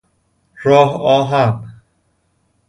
راه آهن